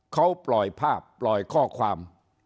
เขาปล่อยภาพปล่อยข้อความ